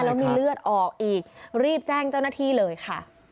แล้วมีเลือดออกอีกรีบแจ้งเจ้าหน้าที่เลยค่ะ